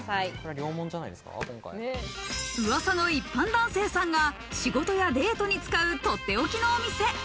噂の一般男性さんが仕事やデートに使う、とっておきのお店。